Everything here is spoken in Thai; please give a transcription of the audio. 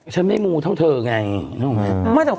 ฉันไม่มูเท่าเธอไง